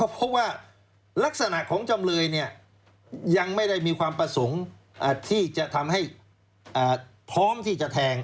เพราะว่าลักษณะของจำเลยยังไม่ได้มีความประสงค์ที่จะทำให้พร้อมที่จะแทง